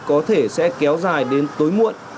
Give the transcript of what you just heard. có thể sẽ kéo dài đến tối muộn